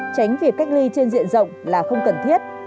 tránh việc cách ly trên diện rộng là không cần thiết